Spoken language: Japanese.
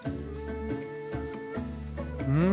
うん！